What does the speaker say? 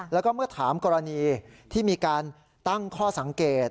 แล้วก็เมื่อถามกรณีที่มีการตั้งข้อสังเกต